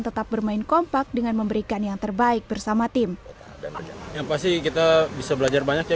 tetap bermain kompak dengan memberikan yang terbaik bersama tim dan yang pasti kita bisa belajar banyak ya